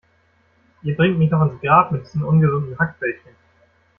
Ihr bringt mich noch ins Grab mit diesen ungesunden Hackbällchen.